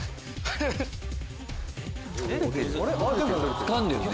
つかんでるね。